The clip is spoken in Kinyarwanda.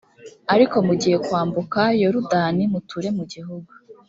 ariko mugiye kwambuka yorudani, muture mu gihugu